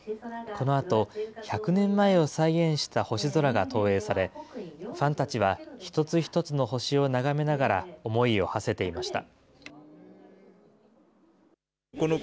このあと、１００年前を再現した星空が投影され、ファンたちは一つ一つの星を眺めながら、思いをはせていました。